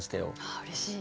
あうれしい。